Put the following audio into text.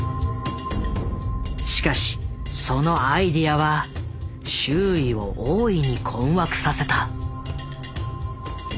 しかしそのアイデアは周囲を大いに困惑させた。